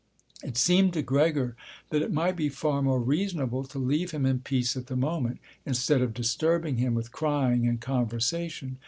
It seemed to Gregor that it might be far more reasonable to leave him in peace at the moment, instead of disturbing him with crying and conversation.